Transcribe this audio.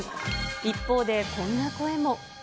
一方でこんな声も。